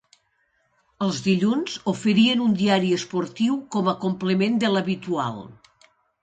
Els dilluns oferien un diari esportiu com a complement de l’habitual.